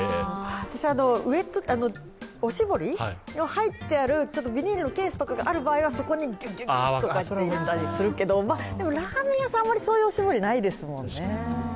私は、おしぼりの入っているビニールのケースとかがある場合、そこにぎゅっと入れたりとかするけどでもラーメン屋さんはそういうおしぼりないですもんね。